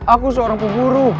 aku seorang pemburu